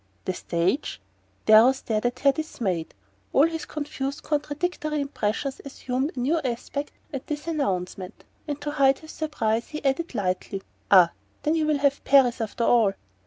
"The stage?" Darrow stared at her, dismayed. All his confused contradictory impressions assumed a new aspect at this announcement; and to hide his surprise he added lightly: "Ah then you will have Paris, after all!"